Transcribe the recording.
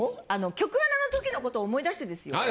局アナの時の事を思い出してですよ。